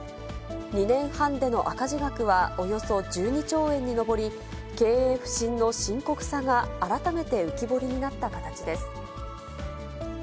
２年半での赤字額はおよそ１２兆円に上り、経営不振の深刻さが改めて浮き彫りになった形です。